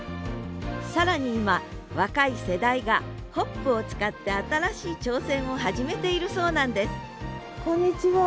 更に今若い世代がホップを使って新しい挑戦を始めているそうなんですこんにちは。